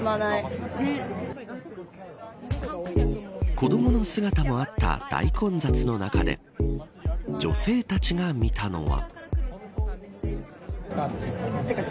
子どもの姿もあった大混雑の中で女性たちが見たのは。